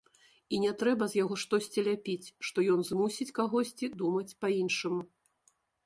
І не трэба з яго штосьці ляпіць, што ён змусіць кагосьці думаць па-іншаму.